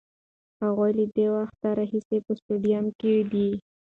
هغوی له ډېر وخته راهیسې په سټډیوم کې دي.